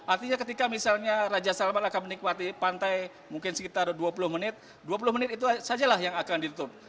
artinya ketika misalnya raja salman akan menikmati pantai mungkin sekitar dua puluh menit dua puluh menit itu sajalah yang akan ditutup